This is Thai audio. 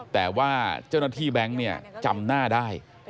แต่ว่าเจ้าหน้าที่แบงค์เนี่ยจำหน้าได้